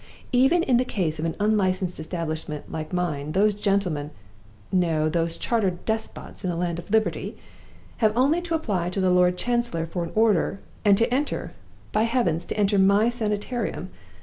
Even in the case of an unlicensed establishment like mine, those gentlemen no! those chartered despots in a land of liberty have only to apply to the Lord Chancellor for an order, and to enter (by heavens, to enter My Sanitarium!)